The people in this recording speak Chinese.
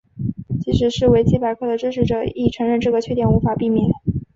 即使是维基百科的支持者亦承认这个缺点无法避免。